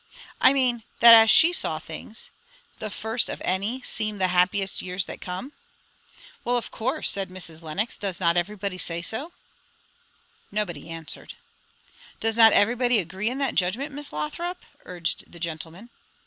"I mean, that as she saw things, 'The first of any Seem the happiest years that come.'" "Well, of course!" said Mrs. Lenox. "Does not everybody say so?" Nobody answered. "Does not everybody agree in that judgment, Miss Lothrop?" urged the gentleman.